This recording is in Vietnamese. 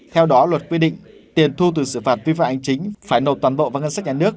theo đó luật quy định tiền thu từ xử phạt vi phạm hành chính phải nộp toàn bộ vào ngân sách nhà nước